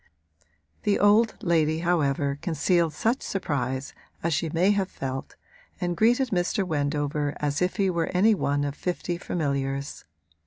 The old lady however concealed such surprise as she may have felt, and greeted Mr. Wendover as if he were any one of fifty familiars.